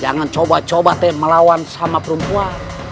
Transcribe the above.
jangan mencoba melawan perempuan